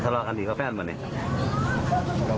แล้วทะเลากันดีกว่าแฟนมันเนี่ย